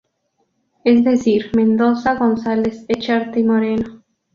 Es decir: Mendoza, González-Echarte y Moreno.